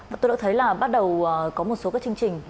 và tôi đã thấy là bắt đầu có một số các chương trình